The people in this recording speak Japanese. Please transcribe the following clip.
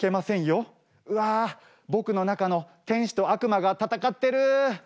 うわ僕の中の天使と悪魔が戦ってる！